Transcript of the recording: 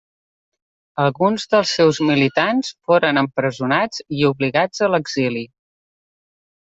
Alguns dels seus militants foren empresonats o obligats a l'exili.